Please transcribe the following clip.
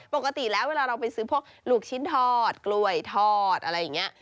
ปกติแล้วเวลาเราไปซื้อพวกลูกชิ้นทอดกล้วยทอดอะไรอย่างนี้